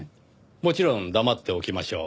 もちろん黙っておきましょう。